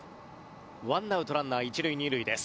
ワンアウトランナー一塁二塁です。